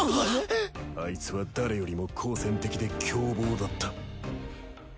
アイツは誰よりも好戦的で凶暴だった。